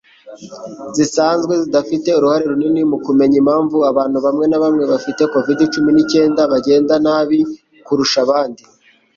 zisanzwe-zidafite uruhare runini mu kumenya impamvu abantu bamwe na bamwe bafite covid-cumi n’icyendabagenda nabi kurusha abandi.